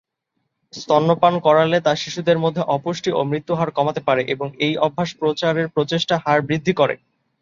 স্তন্যপান করালে, তা শিশুদের মধ্যে অপুষ্টি ও মৃত্যুর হার কমাতে পারে, এবং এই অভ্যাস প্রচারের প্রচেষ্টা হার বৃদ্ধি করে।